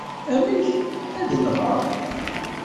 Amek! Ad nɣeɣ?